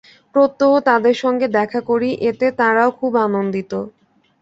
প্রত্যহ তাঁদের সঙ্গে দেখা করি, এতে তাঁরাও খুব আনন্দিত।